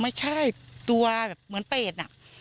ไม่ใช่ตัวแบบเหมือนเป็ดน่ะ